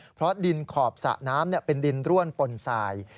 เพราะดินขอบสระน้ำเป็นดินร่วนปนสาย